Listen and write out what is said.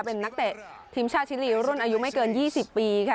เป็นนักเตะทีมชาติชิลีรุ่นอายุไม่เกิน๒๐ปีค่ะ